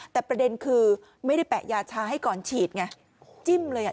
แต่ประเด็นคือไม่ได้แปะยาชาให้ก่อนฉีดไงจิ้มเลยอ่ะ